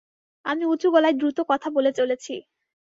আমি উঁচু গলায় দ্রুত কথা বলে চলেছি।